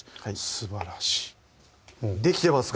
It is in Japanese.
すばらしいできてますか？